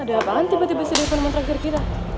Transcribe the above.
ada apaan tiba tiba sedih sama traktir kita